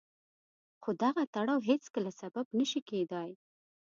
خو دغه تړاو هېڅکله سبب نه شي کېدای.